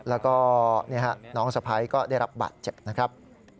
แล้วก็น้องสะพ้ายก็ได้รับบาดเจ็บนะครับ